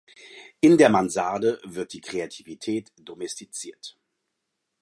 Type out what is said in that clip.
In der Mansarde wird die Kreativität domestiziert.